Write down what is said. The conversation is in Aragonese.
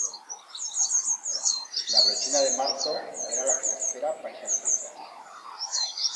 La brochina de marzo era la que s'aspera pa ixas fechas.